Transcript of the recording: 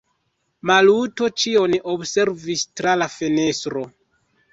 Maluto ĉion observis tra la fenestro.